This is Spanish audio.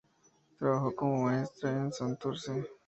Trabajó como maestra en Santurce.